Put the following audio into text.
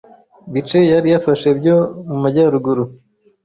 bice yari yarafashe byo mu majyaruguru,